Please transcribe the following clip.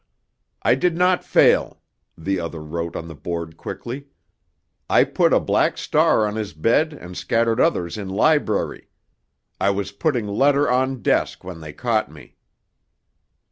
"I did not fail," the other wrote on the board quickly. "I put a black star on his bed and scattered others in library. I was putting letter on desk when they caught me."